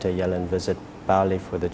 yang mengunjungi bali untuk g dua puluh